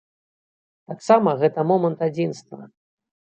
Таксама гэта момант адзінства.